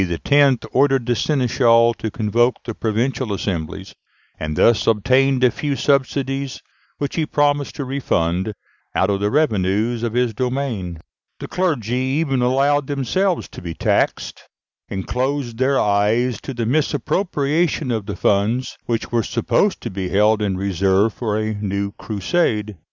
ordered the seneschals to convoke the provincial assemblies, and thus obtained a few subsidies, which he promised to refund out of the revenues of his domains. The clergy even allowed themselves to be taxed, and closed their eyes to the misappropriation of the funds, which were supposed to be held in reserve for a new crusade.